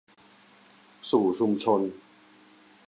สู่ชุมชน